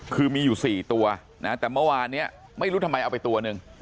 คือมีอยู่๔ตัวนะแต่เมื่อวานเนี่ยไม่รู้ทำไมเอาไปตัวหนึ่ง